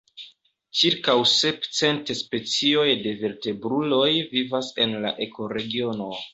Ĉirkaŭ sep cent specioj de vertebruloj vivas en la ekoregiono.